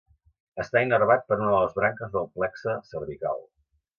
Està innervat per una de les branques del plexe cervical.